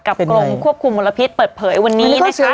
กรมควบคุมมลพิษเปิดเผยวันนี้นะคะ